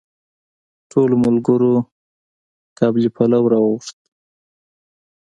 ټولو ملګرو قابلي پلو راوغوښتل.